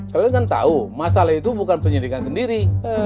kalian kan tau masalah itu bukan penyedihkan sendiri